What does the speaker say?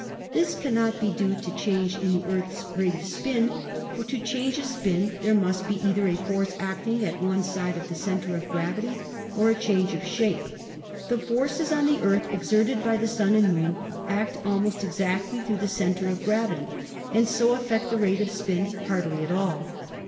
This cannot be due to change in the Earth's rate of spin, for to change a spin there must be either a force acting at one side of the cen ter of gravity or a change of shape. The forces on the Earth exerted by the Sun and Moon act almost exactly through the center of gravity and so affect the rate of spin hardly at all.